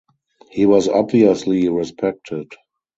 He was obviously respected.